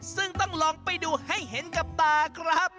ซึ่งต้องลองไปดูให้เห็นกับตาครับ